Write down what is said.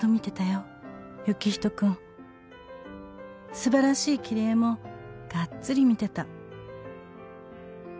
「素晴らしい切り絵もがっつり見てた」